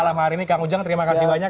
malam hari ini kang ujang terima kasih banyak